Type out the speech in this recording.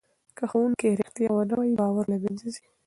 که ښوونکی رښتیا ونه وایي باور له منځه ځي.